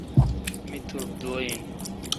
می تٹھ دعا این۔